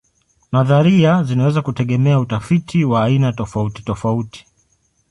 Nadharia zinaweza kutegemea utafiti wa aina tofautitofauti.